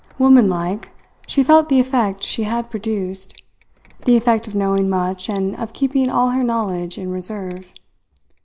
Womanlike, she felt the effect she had produced, the effect of knowing much and of keeping all her knowledge in reserve.